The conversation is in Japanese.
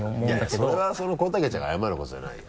いやいやそれは小竹ちゃんが謝ることじゃないよ。